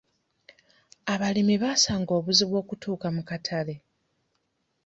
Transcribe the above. Abalimi basanga obuzibu okutuuka mu katale.